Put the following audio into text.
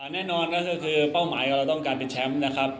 แน่นอนก็คือเป้าหมายของเราต้องการเป็นแชมป์นะครับ